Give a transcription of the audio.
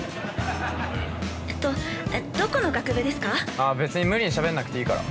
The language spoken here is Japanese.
◆あー、別に無理にしゃべらなくていいから。